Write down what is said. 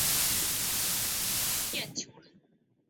王晏球人。